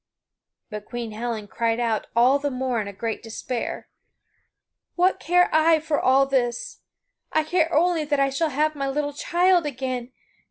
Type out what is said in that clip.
But Queen Helen cried out all the more in a great despair: "What care I for all this? I care only that I shall have my little child again!